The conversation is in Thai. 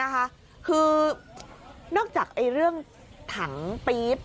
คือนอกจากเรื่องถังปี๊บ